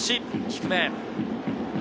低め。